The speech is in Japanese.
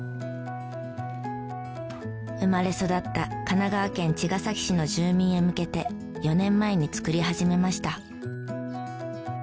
生まれ育った神奈川県茅ヶ崎市の住民へ向けて４年前に作り始めました。